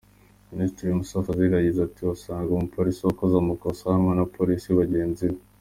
Ministiri Musa Fazil yagize ati “Wasangaga umupolisi wakoze amakosa ahanwa n’abapolisi bagenzi be.